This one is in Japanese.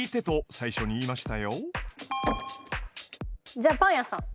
じゃあパン屋さん。